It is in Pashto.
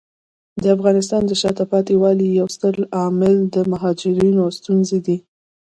د افغانستان د شاته پاتې والي یو ستر عامل د مهاجرینو ستونزې دي.